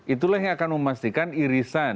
itulah yang akan memastikan irisan